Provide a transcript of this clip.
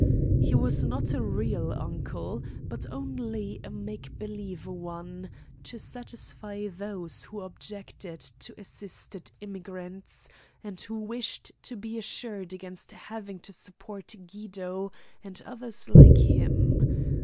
He was not a real uncle, but only a make believe one, to satisfy those who objected to assisted immigrants, and who wished to be assured against having to support Guido, and others like him.